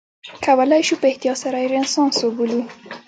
کولای شو په احتیاط سره یې رنسانس وبولو.